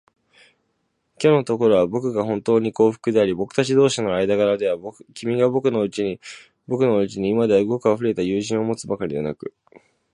きょうのところは、ぼくがほんとうに幸福であり、ぼくたち同士の間柄では、君がぼくのうちに今ではごくありふれた友人を持つばかりでなく、